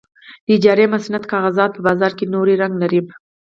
د اجارې مستند کاغذات په بازار کې نوی رنګ لري.